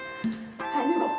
はいぬごう。